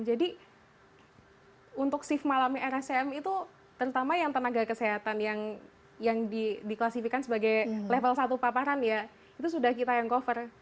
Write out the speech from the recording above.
jadi untuk shift malamnya rscm itu terutama yang tenaga kesehatan yang diklasifikan sebagai level satu paparan ya itu sudah kita yang cover